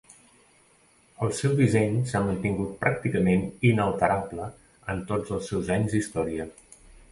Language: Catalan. El seu disseny s'ha mantingut pràcticament inalterable en tots els seus anys d'història.